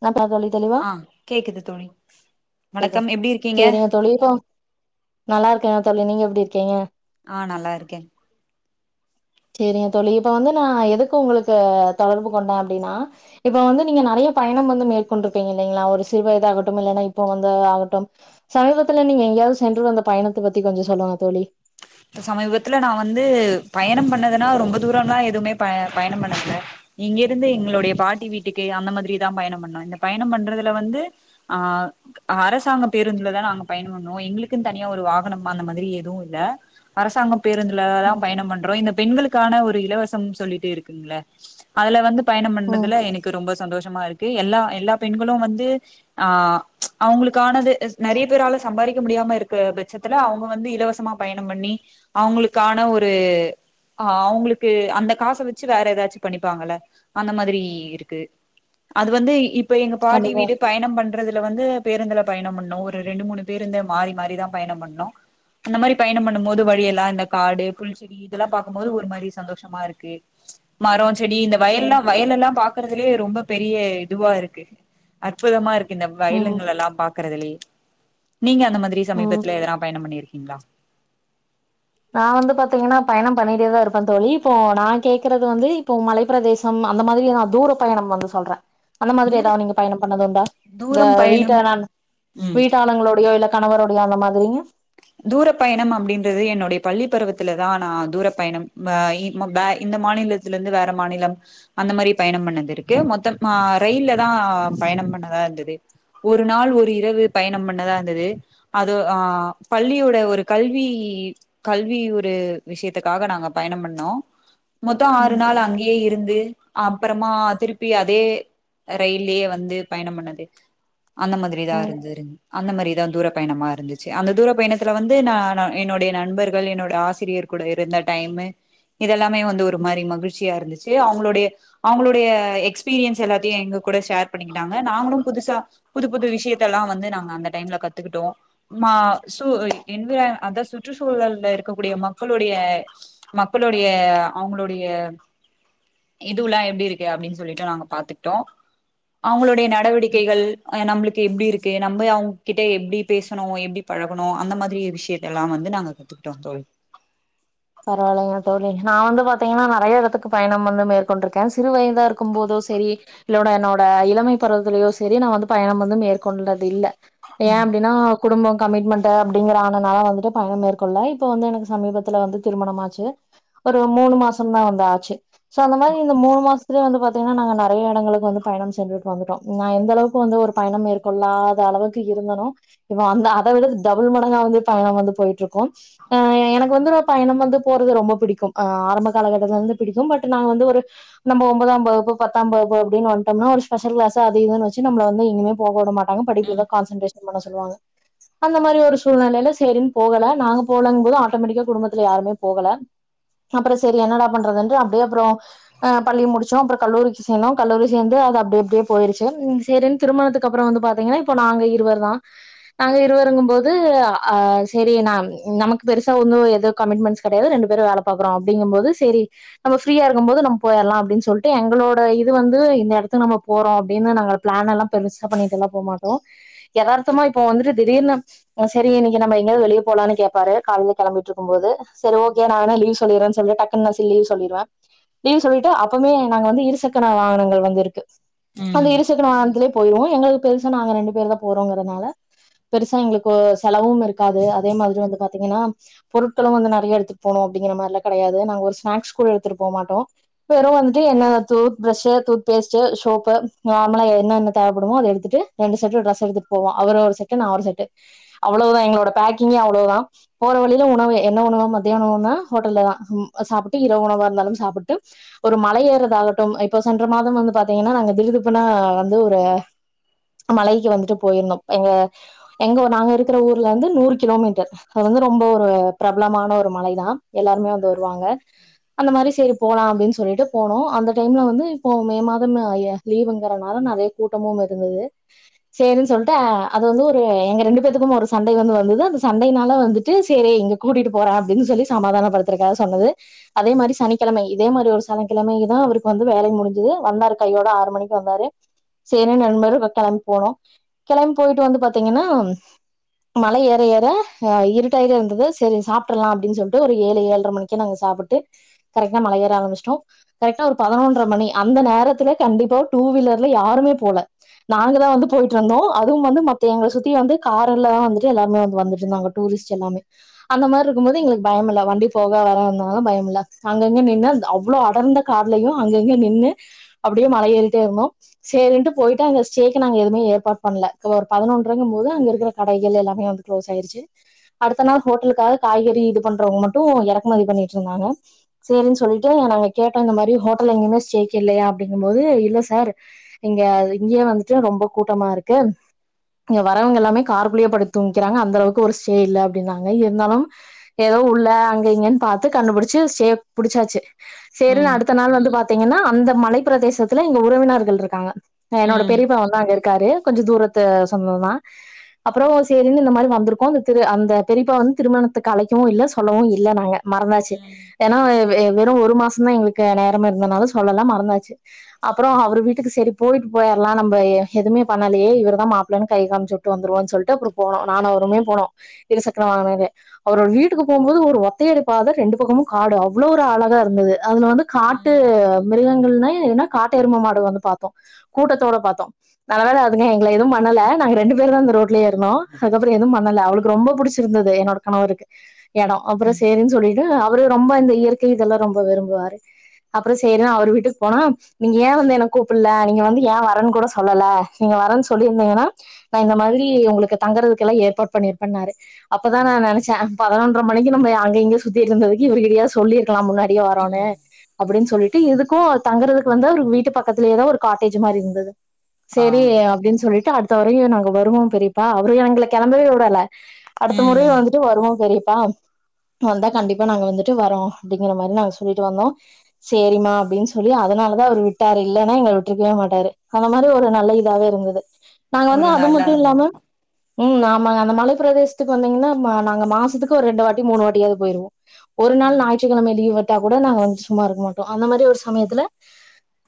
அ ஆஹ் கேக்குது தோழி கேக்குது வணக்கம் எப்படி இருக்கீங்க சேரிங்க தோழி இப்போ நல்லா இருக்கேன்னா தோழி நீங்க எப்படி இருக்கீங்க ஆ நல்லா இருக்கே தோலி இப்ப வந்து நான் எதுக்கு உங்களுக்கு தொடர்பு கொண்ட அப்படின்னா இப்ப வந்து நீங்க நிறைய பயணம் வந்து மேற்கொண்டிருப்பீங் இல்லலைங்களா ஒரு சிறு வயதுாககட்டும் இல்லைன்னா இப்போ வந்து ஆகட்டும் சமீபத்துல நீங்க எங்கயாவது சென்று அந்த பணத்தை பத்தி கொஞ்சம் சொல்லுங்க தோழி இ சமீபத்துல நா வந்து பயணம் பண்ணதுன்னா ரொம்ப தூரம்ல்லா எதுவுமே ப பயணம் பண்ணதுல இங்க இருந்து எங்கலோடியா பாட்டி வீட்டுக்கு அந்த மாதிரிதா பயணம் பண்ணோ இந்த பயணம் பண்றதுல வந்து ஆ அரசாங்க பேருந்துலதான் நாங்க பயணம் பண்ணோ எங்களுக்குன்ன தனியா ஒரு வாகன அந்த மாதிரி எதுவும் இல்ல அரசாங்கம் பேருந்துல தா ம் பயணம் பண்றோ இந்த பெண்களுக்கான ஒரு இலவசம் சொல்லிட்டு இருக்குங்கள அல வந்து பயணம் ம் பண்ணறதுல எனக்கு ரொம்ப சந்தோஷம் இருக்கு எல்லா எல்லா பெண்களும் வந்து ஆஹ அவங்களுக்கானது நெறைய பேரால சம்பாதிக்க முடியாம இருக்க பட்சத்துல அவங்க வந்து இலவசமா பயன் பண்ணி அவங்களுக்கான ஒரு அவங்களுக்கு அந்த காச வச்சு வேற ஏதாச்சும் பண்ணிப்பாங்கள அந்த மாதிரி இருக்கு அது வந்து இப்போ எங்க பாட்டி கண்டிப்பா வீடு பயணம் பண்றதுல வந்து பேருந்துல பயணம் பண்ணும் ஒரு ரெண்டு மூணு பேருந்து மாறி மாறிதான் பயணம் பண்ணும் அந்த மாதிரி பயணம் பண்ணும் போது ம் வழியெல்லாம் இந்த காடு புளிச்செடி இதெல்லாம் பாக்கும்போது ஒரு மாதிரி சந்தோஷமா இருக்கு மரம் செடி இந்த வயல்ல ம் வயல் எல்லாம் ப இருறதுலே ரொம்ப பெரிய இதுவா இருக்கு அற்புதமா இருக்கு இந்த ம் வயலுங்களல்லாம் பாக்குறதுலே நீங்க அந்த மாதிரி ம். சமீபத்துல எதனா பயண பண்ணிருக்கீங்ளா நான் வந்து பாத்தீங்கன்னா பயணம் பண்ணிட்டேதான் இருப்பேன் தோழி இப்போ நான் கேக்குறது வந்து இப்போ மலைப்ப பிரதேசம் அந்த மாதிரி நான் தூர பயணம் வந்து சொல்றேன் அந்த மாதிரி தூரம் ஏதாவது நீங்க பயணம் பண்ணதும்ண்டா உங்க தூரம் பயணம் வீட்ட ம் வீட்டாளங்களுடையோ இல்ல கணவருடைய அந்த மாதிரி தூர பயணம் அப்படின்றது என்னுடைய பள்ளி பருவத்துலதான் நான் தூர பயணம் ஆஹ் இந்த மாநிலத்தில இருந்து வேற மாநிலம் அந்த மாரி பயணம் பண்ணது இருக்கு மொத்தம் ஆஹ் ரயில்ல தான் பயணம் பண்ணதா இருந்தது ஒரு நாள் ஒரு இரவு பயணம் பண்ணதா இருந்தது அதுதோ ஆஹ் பள்ளியோட ஒரு கல்வி கல்வி ஒரு விஷயத்துக்காக நாங்க பயணம் பண்ணோம் மொத்தம் ஆறு ம் நாள் அங்கேயே இருந்து அப்புறமா திருப்பி அதே ரயிலயே வந்து பயணம் பண்ணது அந்த மாதிரி தான் ம் இருந்து இருந்தாரு அந்த மாரிதான் தூர பயணமா இருந்துச்சு அந்த தூர இப்பயணத்துல வந்து ந என்னுடைய நண்பர்கள் என்னோட ஆசிரியர் கூட இருந்த டைமு இதெல்லாமே வந்து ஒரு மாரி மகிழ்ச்சியா இருந்துச்சு அவங்களுடைய அவங்களுடைய எக்ஸ்பீரியன்ஸ் எல்லாத்தையும் எங்க கூட ஷேர் பண்ணிக்கிட்டாங்க நாங்களும் புதுசா புது புது விஷயத்தல்லாம் வந்து நாங்க அந்த டைம்ல கத்துக்கிட்டோம் ம்மா சு என்விரய் அத சுற்றுச்சூழல இருக்கக்கூடிய மக்களுடைய மக்களுடைய அவங்களுடைய இதுல்லாம் எப்படி இருக்கு எப்டின்னு சொல்லிட்டு நாங்க பாத்துட்டோம் அவங்களுடைய நடவடிக்கைகள் நம்மளுக்கு எப்டி இருக்கு நம்ம அவங்க கிட்ட எப்டி பேசணும் எப்டி பழகணும் அந்த மாரி விஷயத்த எல்லாம் வந்து நாங்க கத்துக்கிட்டோம் தோழி பரவாயில்லைங்க தோழி நான் வந்து பாத்தீங்கன்னா நெறைய இடத்துக்கு பயணம் வந்து மேற்கொண்டிருக்கேன் சிறு வயதா இருக்கும் போதோ சரி இல்லோட என்னோடஇளமை பருவத்துலயோ சரி நான் வந்து பயணம் வந்து மேற்கொண்டறது இல்ல ஏன் ம் அப்புடின்னா குடும்பம் கமிட்மெண்ட் அப்படிங்கற ஆனனால வந்துட்டு பயணம் மேற்கொள்ள இப்ப வந்து எனக்கு சமீபத்துல வந்து திருமண ஆச்சு ஒரு மூணு மாசம் தான் வந்து ஆச்சு சொ அந்த மாதிரி மூணு மாசத்துலே வந்துபாதிங்கன்னா நாங்க நெறைய இடங்களுக்கு வந்து பயணம் சென்றுட்டு வந்துட்டோம் நா எந்த அளவுக்கு வந்து ஒரு பயணம் மேற்கொள்ளாத அளவுக்கு இருந்தேனோ இப்ப அத விட டபுள் மடங்கா வந்து பயணம் வந்து போயிட்டு இருக்கும்கோம் எனக்கு வந்து பயணம் வந்து போறது ரொம்ப பிடிக்கும்ஹ ஆரம்ப காலகட்டத்தில இருந்து பிடிக்கும் பட் நாங்க வந்து ஒரு நம்ம ஒன்பதாம் வகுப்பு பத்தாம் வகுப்புப்படின்னு வந்டோம்னா ஒரு ஸ்பெஷல் கிளாஸ்னி அது இதுனு வச்சு நம்மல வந்து எங்கேயுமே போக விட மாட் படிப்புக்கு ம் தான் கான்சன்ட்ரேஷ் பண்ண சொல்லுவங்க அந்த மாரி ஒரு சூழ்நிலையில சரின்னு போகல நாங்க போலங்க போது ஆட்டோமேட்டிக்கா குடும்பத்த த்துல யாருமே போகல அப்பறம் சரி என்னடா பண்றது அப்டியே அப்பறம் பள்ளி முடிச்சோம் அறம் கல்லூரிக்கு சேர்ந்தோம் கல்லூரி சேர்ந்துது அப்பப்படியே போயிருச்சு திருமணத்திற்கு அப்பறம் நாங்க இருவர் தான் நாங்க இருவருங்க போது செரி நமக்கு பெருசா ஏதோ கமிட்மெண்டஸ் கிடையாது ரெண்டு பேரும் வேல பார்க்கிறோம் அப்படிங்கும்போது சரி நம்ம ஃப்ரீயா இருக்கும்போது நம்ப போயிடலாம் அப்பின்னு சொல்லிட்டு எங்களோட இது வந்து இந்த இடத்த நம்ம போறோம் பிளான்னால பெசா பண்ணிட்டெல்லாம் போமாட்டோம் எதார்த்தமா இப்ப வந்துட்டு திடீர்னு செரி இன்னைக்கு நம்ம எங்காவது வெளிய போலாம்னு கேப்பாரு கால கிளம்பிட்டு இரு இருக்கும் போது சரி ஓகே நானு லீவுவ் சொல்லிருறேன்னு சொல்லிட்டு டக்குன்னி லீவ் சொல்லிருவேன் லீவ் சொல்லிட்டு அப்பமே நாங்க வந்து இருசக்கன வாகனங்கள் வந்து இருக்கு அந்த ம் இருசக்கர வாகனத்துலே போய்வோம் எங்களுக்கு பெருசா நாங்க ரெண்டு பேரு தான் போறோங்கறனால பெருசா எங்களுக்கு செலவும் இருக்காது அதே மாதிரி வந்து பாத்தீங்கன்னா பொருட்களும் வந்து நெறைய எடுத்துகட்டு போணும் அப்படிங்கிற மாதிரிலாம் கெடையாது நாங்க ஒரு ஸ்நாக்ஸ் கூட எடுத்துட்டு போமாடோம் வெறும் வந்துட்டு என்ன tooth brush tooth paste soap நார்மலா என்னென தேவைப்படுமோ அத எடுத்துட்டு ரெண்டு செட்ஸ் எடுத்துட்டு போவோம் அவர் ஒரு செட்டு நான் ஒரு செட்டு அவ்வளவுதான் எங்களோட பேக்கிங்கே அவ்வளோதான் போற வழிய உணவு என்ன உணவ மத்தியான உணனா ஹோட்டல்ல தான் சாப்புட்டு இரவு உணவா இருந்தாலும் சாப்புட்டு ஒரு மலை ஏறதாகட்டும் இப்போ சென்ற மாதம் வந்து பாத்தீங்கன்னா நாங்க திடுதிப்புன்னு வந்து ஒரு மலைக்கு வந்துட்டு போயிருந்தோம் எங்க எங்க நாங்க இருக்கிற ஊர்ல வந்து நூறு கிலோமீட்டர் அது வந்து ரொம்ப பிரபலமான ஒரு மலைதான் எல்லாருமே வந்து வருவாங்க அந்த மாரி செரி போலாம் அப்டின்னு சொல்லிட்டு போனோம் அந்த டைம்ல வந்து இப்போ மே மாதம் லீவ்ங்கறனால நெறைய கூட்டமும் இருந்தது சேரினு சொல்லிட்டு அது வந்து ஒரு எங்க ரெண்டு பேத்தக்கும் ஒரு சண்டை வந்து வந்தது அந்த சண்டைனால வந்துட்டு செரி இங்க கூட்டிட்டு போறேன் அப்படின்னு சொல்லி சமாதானப்படுத்துறக்காக சொன்னது அதே மாதிரி சனிக்கிழம இதே மாதிரி ஒரு சனிகிழமைதான் அவருக்கு வந்து வேல முடிஞ்சது வந்தாரு கையோட ஆறு மணிக்கு வந்தாரு செரி ரெண்டுபேரும் கிளம்பி போனோம் கிளம்பி போயிட்டு வந்து பாத்தீங்கன்னா மலை ஏற ஏறஹ இருட்டி தயிறு இருந்துது சேரி சாப்டுறலா அப்டின்னு சொல்லிட்டு ஒரு ஏலு ஏல்ர மணிக்கு நாங்க சாப்புட்டு கரெக்டா மலை ஏற ஆரம்புச்சிட்டோ கரெக்டா ஒரு பதினொன்ற மணி அந்த நேரத்துல கண்டிப்பா டூ வீலர்ல யாருமே போல நாங்கதா வந்து போயிட்டுருந்தோ அது வோ வந்து மத்தவங்கள சுத்தி வந்து காரல்லா வந்துட்டு எல்லாருமே வந்து வந்துட்டு இருந்தாங்க டூரிஸ்ட் பேட்ச் எல்லாமே அந்த மாதிரியிருக்கும் போது எங்களுக்கு பயம் இல்ல வண்டி போக வர இருந்தாலோ பயம் இல்ல அங்கங்க நின்னு அவ்ளோ அடர்ந்த காடுலயோ அங்கங்க நின்னு அப்டியே மல ஏறிட்டேயிருந்தோ சேறின்டு போயிட்டு அங்க ஸ்டேக்கு நாங்க எதுவுமே ஏற்பாடு பண்ணல இப்ப ஒரு பதனொன்றன்னும்போது அங்க இருக்குற கடைகள் எல்லாமே வந்து கு்ளோஸ் ஆயிடுச்சு அடுத்த நாள் ஹோட்டலுக்காக காய்கறி இது பண்றவங்க மட்டோ எறக்குமதி பண்ணிட்டுயிருந்தாங்க சேரின்னு சொல்லிட்டு நாங்க கேட்டோ இந்த மாதிரி ஹோட்டல்ல எங்கயுமே ஸ்டேக்குயில்லையா அப்டின்னுமோது இல்ல சார் இங்க இங்கேயே வந்துட்டு ரொம்ப கூட்டமாயிருக்கு இங்க வரவங்க எல்லாமே கார்குள்ளயே படுத்து தூங்கிக்கிறாங்க அந்த அளவுக்கு ஒரு ஸ்டேயில்ல அப்டின்னாங்க இருந்தாலும் ஏதோ உள்ள அங்க இங்கன்னு பார்த்து கண்டுபுடிச்சு ஸ்டே புடிச்சாச்சு சேரின்னு ம் அடுத்த நாள் வந்து பாத்தீங்கன்னா அந்த மலைப் பிரதேசத்துல எங்க உறவினர்கள்யிருக்காங்க ஹ என்னோட ம் பெரியப்பா வந்து அங்கயிருக் காரு கொஞ்சோ தூரத்து சொந்தோதா அப்புறோ சேரின்னு இந்த மாதிரி வந்திருக்கோ அந்த திரு அந்த பெரியப்பா வந்து திருமணத்துக்கு அழைக்கவோ இல்ல சொல்லவோ இல்ல நாங்க மறந்தாச்சு ம் ஏன்னா வெ வெறோ ஒரு மாசோதா எங்களுக்கு நேரமே இருந்தனால சொல்லல மறந்தாச்சு அப்புறோ அவரு வீட்டுக்கு செரி போயிட்டு போயிடலா நம்ம எதுமே பண்ணலயே இவரதா மாப்புள்ளன்னு கைய காமிச்சு விட்டு வந்துருவோன்னு சொல்லிட்டு அப்புறோ போனோ நானோ அவருமே போனோ இருசக்கர வாகனோலே அவரோட வீட்டுக்கு போகுமோது ஒரு ஒத்தையடி பாத ரெண்டு பக்கமோ காடு அவ்ளோ ஒரு அழகாயிருந்துது அதுல வந்து காட்டு ம் எருமை எரும காட்டு எரும மாடு வந்து பார்த்தோ கூட்டத்தோட பார்த்தோ நல்லவேல அதுவே இல்ல எதுவோ பண்ணல நாங்க ரெண்டு பேருதா அந்த ரோட்லயேயிருந்தோ அதுப்புறோ எதுவும் பண்ணல அவளுக்கு ரொம்ப புடிச்சிருந்துது என்னோட கணவருக்கு எடோ அப்புறோ ம் சேரின்னு சொல்லிட்டு அவரு ரொம்ப இந்த இயற்கை இதெல்லா ரொம்ப விரும்புவாரு அப்புறோ சேரின்னு அவர் வீட்டுக்கு போனா நீ ஏன் வந்து எனக்கு கூப்புடல நீங்க வந்து ஏன் வரன்னு கூட சொல்லல நீங்க வரென்னு சொல்லியிருந்தீங்கன்னா நா இந்த மாதிரி உங்களுக்கு தங்கறதுக்கெல்லா ஏற்பாடு பண்ணி பண்ணாரு அப்பதா நா நெனச்சே பதனொன்ற மணிலயிருந்து நம்ம அங்க இங்க சுத்திட்டுயிருந்ததுக்கு இவரு கிட்டயாவது சொல்லிருக் கலா முன்னாடியே வரோன்னு ம் அப்டின்னு சொல்லிட்டு இதுக்கோ தங்குறதுக்கு வந்து அவரு வீட்டு பக்கத்துலயேதா ஒரு காட்டேஜ் மாதிரியிருந்துது ஆ சேரி அப்டின்னு சொல்லிட்டு அடுத் த வரவு நாங்க வருவோ பெரியப்பா அவரு எங்கள கெளம்பவே விடல அடுத்த முறை ம் வந்துட்டு வருவோ பெரிய ப்பா வந்தா கண்டிப்பா நாங்க வந்துட்டு வரோ அப்டிங்குற மாதிரி நாங்க சொல்லிட்டு வந்தோ சேரிமா அப்டின்னு சொல்லி அதனாலதா அவரு விட்டாரு இல்லன்னா எங்கள விட்டுருக்கவே மாட்டாரு அந்த மாதிரி ஒரு நல்ல இதாவேயிருந்துது நாங்க வந்து ஒரு அது நல்ல மட்டோ இல்லாம அனுபவம் உம் ஆமாங்க அந்த மலை பிரதேசத்துக்கு வந்தீங்கன்னா நாங்க மாசத்துக்கு ஒரு ரெண்டு வாட்டி மூணு வாட்டியாவது போயிருவோ ஒரு நாள் ம் ஞாயிற்றுக்கிழம லீவ் விட்டா கூட நாங்க வந்து சும்மாயிருக்க மாட்டோ அந்த மாதிரி ஒரு சமயத்துல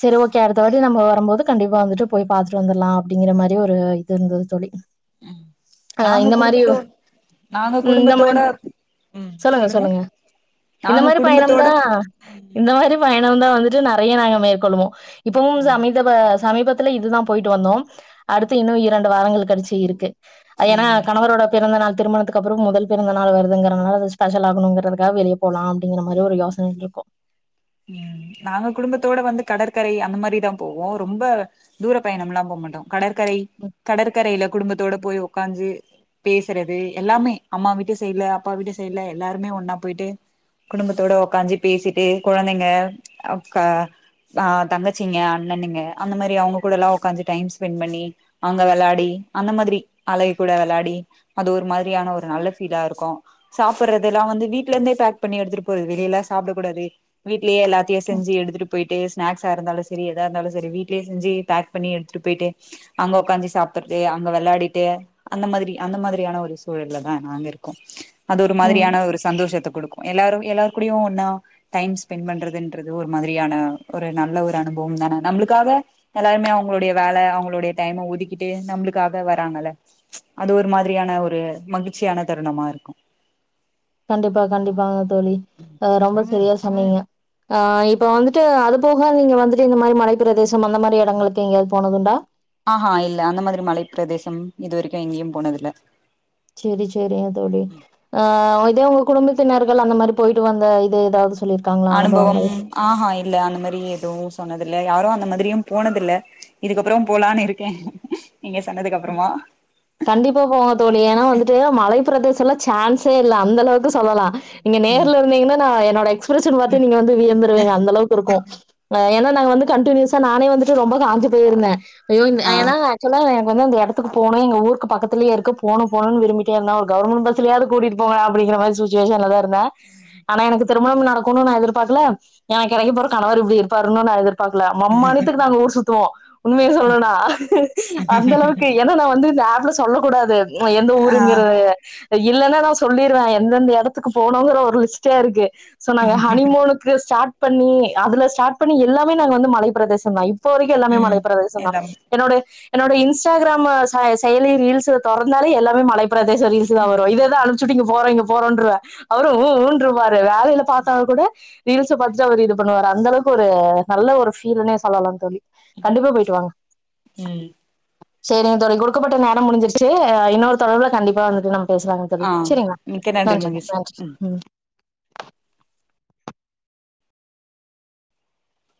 செரி ஓக்கே அடுத்த வாட்டி நம்ம வரும்போது கண்டிப்பா வந்துட்டு போய் பார்த்துட்டு வந்துடலா அப்டிங்குற மாதிரி ஒரு இது இருந்துது தோழி ம் நாங்க குடும்ப உ இந்த மாதிரி சொல்லுங்க சொல்லுங்க இந்த நாங்க மாதிரி பயணம்தா குடும்பத்தோட ம் இந்த மாரி பயணம் இன்னோ வந்துட்டு நெறைய நாங்க மேற்கொள்ளுவோ இப்பவோ ஆ சமீபவ சமீப இதுதான் போயிட்டு வந்தோம் அடுத்து இன்னும் இரண்டு வாரங்கள் கழிச்சி இருக்கு அ ஏன்னா ம் கணவரோட பிறந்த நாள் திருமணத்துக்கு அப்புறோ மொதல் பிறந்த நாள் வருதுங்கறனால அது ஸ்பெஷல் ஆக்கணுங்கிறதுக்காக வெளிய போலா அப்டிங்கிற மாரி ஒரு யோசனைல இருக்கோ உம் நாங்க குடும்பத்தோட வந்து கடற்கரை அந்த மாதிரிதான் போவோம் ரொம்ப தூர பயணம் எல்லாம் போக மாட்டோம் கடற்கரை கடற்கரையில குடும்பத்தோட போய் உக்காஞ்சு பேசுறது எல்லாமே அம்மா வீட்டு சைட்ல அப்பா வீட்டு சைட்ல எல்லாருமே ஒன்னா போயிட்டு குடும்பத்தோட உக்காஞ்சு பேசிட்டு குழந்தைங்க அஹ் தங்கச்சிங்க அண்ணண்ங்க அந்த மாதிரி அவங்க கூட எல்லாம் உக்காந்து டைம் ஸ்பெண்ட் பண்ணி அங்க விளையாடி அந்த மாதிரி அழக கூட விளாடி அது ஒரு மாதிரியான ஒரு நல்ல ஃபீலா இருக்கும் சாப்பிடுறது எல்லாம் வந்து வீடல இருந்தே பேக் பண்ணி எடுத்துட்டு போறது வெளியிலல்லாம் சாப்பிடக்க கூடாது வீட்லயே எல்லாத்தையு செஞ்சு எடுத்துட்டு போயிட்டு ஸ்நாக்ஸா இருந்தாலு சரி எதா இருந்தாலு சரி வீட்லயே செஞ்சு பேக் பண்ணி எடுத்துட்டு போயிட்டு அங்க உக்காந்து சாப்ட்டுட்டு அங்க வெளையாடிட்டு அந்த மாதிரி அந்த மாதிரியான ஒரு சூழல்லதான நாங்க இருக்கோ அது ஒரு ம். மாதிரியான ஒரு சந்தோஷத்துக்கு குடுக்கு எல்லாரு எல்லாருகூடயு ஒண்ணா டைம்ஸ் ஸ்பெண்ட் பண்றதுன்றது ஒரு மாதிரியான ஒரு நல்ல ஒரு அனுபவம்தான நம்மளுக்காக எல்லாருமே அவங்களுடைய வேல அவங்களுடைய டைம ஒதுக்கிட்டு நம்மளுக்காக வராங்கல்ல அது ஒரு மாதிரியான ஒரு மகிழ்ச்சியான தருணமா இருக்கு கண்டிப்பா கண்டிப்பா தோழி அஹ் ரொம்ப சரியா சென்னீங்க ஆஹ் இப்ப வந்துட்டு அது போக நீங்க வந்துட்டு இந்த மாதிரி மலை பிரதேசம் அந்த மாதிரி இடங்களுக்கு எங்கேயாவது போனதுடா ஆஹ்ஹ் இல்ல அந்த மாதிரி மலைைப்ப பிரதேசம் இதுவரைக்கும் எங்கேயும் போனதல செரி செரிங்க தோழி ஆஹ் எதோ குடும்பத்தினர்கள் அந்த மாதிரி போயிட்டு வந்த இது ஏதாவது சொல்லியிருக்காங்களா அனுபவங்கள்? அனுபவம் ஆஹஹா இல்ல அந்த மாதிரி எதுவும் சொன்னது இ யாரும் அந்த மாதிரியும் போனத இல்ல இதுக்கப்புறம் போலான்னு இருக்கேன் கண்டிப்பா போவோம் தோழி ஏன்னா வந்துட்டு மலை பிரதேச சொல்ல சான்ஸே இல்ல அந்த அளவுக்கு சொல்லலா இங்க நேர்ல இருந்தீங்கன்னா நா என் நாளாச்சி நீங்க வந்து வியந்துருவங்க அந்த அளவுக்கு இருக்கும் நாங்க வந்து கண்டினியூஸா நானே வந்துட்டு ரொம்ப காஞ்சி போயிருந்தேன் ய ஆ ஏனா ஆக்சுவலா வ வந்து அந்த எடத்துக்கு போணு எங்க ஊருக்கு பக்கத்துலயே இருக்கு போகணு போகணுன்னு விரும்பிட்டே இருந்தா ஒரு கவுர்மெண்டு பஸ்லயாது கூட்டிட்டு போடா அப்டிங்கற மாரி சுச்சுவேஷன்லதா இருந்தே ஆனா எனக்கு திருமணம் நடக்குன்னு நா எதிர்பாக்கல எனக்கு கெடைக்கப்போற கணவர் இப்டி இருப்பாருன்னு நா எதிர் பாக்கல மம்மானியத்துக்கு நாங்க ஊர் சுத்துவோ உண்மைய சொல்ணுன்னா அந்த அளவுக்கு ஏன்னா நான் வந்து இந்த ஆப்ல சொல்லக் கூடாது எந்த ஆ ஊருங்குறது அத இல்லலைன்னா நான் சொல்லிருவேன் எந்தெந்த இடத்துக்கு போனணுங்கிற ஒரு லிஸ்ட்டோ இருக்கு சொன்னாங்க ஹனிமூனுக்கு ஸ்டார்ட் பண்ணி அதுல ஸ்டார்ட் பண்ணி எல்லாமே நாங்க வந்து மலைப்ப பிரதேசம் தான் இப்ப வரைக்கும் எல்லாமே ம் மழைப்பேரதேசம் தான் எல்லாம் என்னோட என்னோடைய இன்ஸ்டாகிராம் செயலி ரீல்ஸ் தொடறந்தாலே எல்லாமே மழ பிரதேச ரீல்ஸ் தான் வரும் இததான் அனுபிச்சட்டுங்க போறீங்க போறன்றுவ அவரும் ஊ ஊ ஊன்றுவாறு அதாவது இதுல பாத்தாலு கூட ரீல்ஸ் பாத்துட்டு அவர் இது பண்ணுவாார் அந்தளவுக்கு ஒரு நல்ல ஒரு ஃபீல் சொல்லலாம்னு தோழி கண்டிப்பா போயிட்டு வாங்க ம் செரி தோழிநீங்க கொடுக்கப்பட்ட நேரம் முடிஞ்சிருச்சு இன்னொரு தொடர்புல கண்டிப்பா வந்துட்டு நம் பேசுலாங்க கவி ஆ செரிங்களா மிக்க நன்றி மகிழ்ச்சி ம் நன்றி